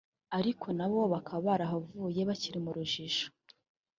ariko na bo bakaba barahavuye bakiri mu rujijo